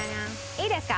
いいですか？